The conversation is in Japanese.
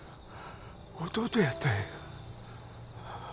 弟やったんやな